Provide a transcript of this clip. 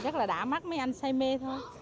rất là đã mắt mấy anh say mê thôi